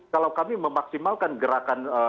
kalau kami memaksimalkan gerakan